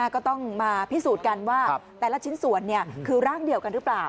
ก็ต้องมาพิสูจน์กันว่าแต่ละชิ้นส่วนคือร่างเดียวกันหรือเปล่า